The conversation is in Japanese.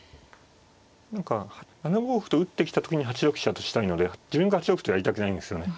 何か７五歩と打ってきた時に８六飛車としたいので自分が８六とやりたくないんですよね。